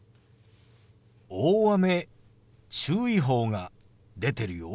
大雨注意報が出てるよ。